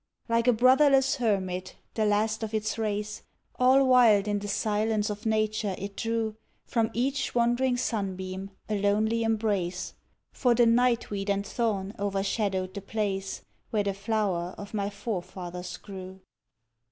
Like a brotherless hermit, the last of its race, All wild in the silence of nature, it drew, From each wandering sun beam, a lonely embrace For the night weed and thorn overshadow'd the place, Where the flower of my forefathers grew.